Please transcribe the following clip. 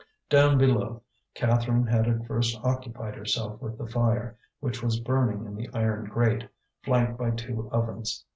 Down below, Catherine had at first occupied herself with the fire, which was burning in the iron grate, flanked by two ovens.